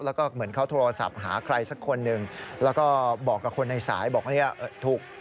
แล้วก็เหมือนเขาโทรศัพท์หาใครสักคนหนึ่งแล้วก็บอกกับคนในสายบอกว่าเนี่ยถูก